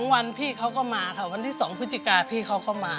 วันพี่เขาก็มาค่ะวันที่๒พฤศจิกาพี่เขาก็มา